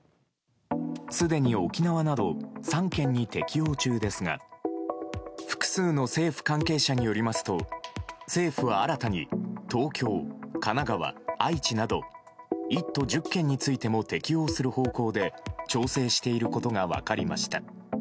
すでに沖縄など３県に適用中ですが複数の政府関係者によりますと政府は新たに東京、神奈川、愛知など１都１０県についても適用する方向で調整していることが分かりました。